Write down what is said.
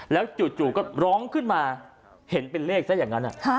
แล้วจู่ก็ร้องขึ้นมาเห็นเป็นเลขซะอย่างนั้น